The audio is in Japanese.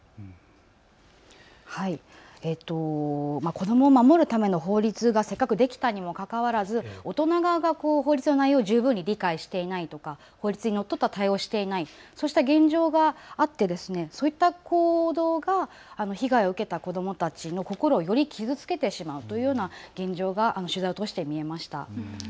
子どもを守るための法律がせっかくできたのにもかかわらず大人側が法律の内容を十分に理解していないとか法律にのっとった対応をしていない、そうした現状があって、そういった行動が被害を受けた子どもたちの心をより傷つけてしまうというような現状が取材を通して見えました。